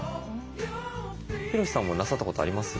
ヒロシさんもなさったことあります？